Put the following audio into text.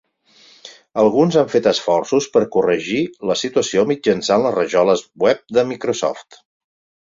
Alguns han fet esforços per corregir la situació mitjançant les rajoles web de Microsoft.